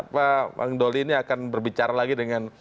pak angdoli ini akan berbicara lagi dengan